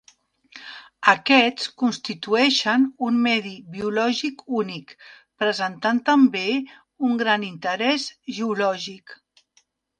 Aquests constitueixen un medi biològic únic, presentant també un gran interès geològic.